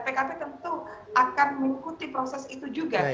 pkb tentu akan mengikuti proses itu juga